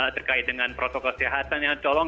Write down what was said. terkait dengan protokol kesehatannya tolong